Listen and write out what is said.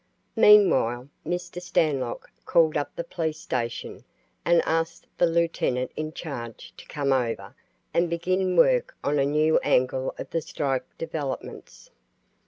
Meanwhile, Mr. Stanlock called up the police station and asked the lieutenant in charge to come over and begin work on a new angle of the strike developments.